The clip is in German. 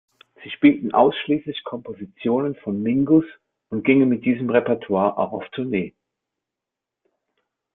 Sie spielten ausschließlich Kompositionen von Mingus und gingen mit diesem Repertoire auch auf Tournee.